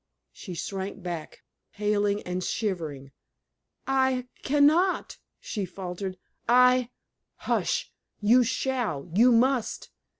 She shrank back, paling and shivering. "I can not!" she faltered. "I " "Hush! You shall you must!"